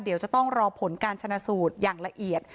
เดี๋ยวจะต้องรอผลการชนะสูตรอย่างละเอียด